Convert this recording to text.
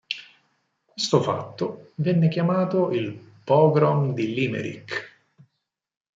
Questo fatto venne chiamato il "Pogrom di Limerick".